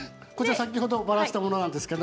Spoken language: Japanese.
先ほどバラしたものです。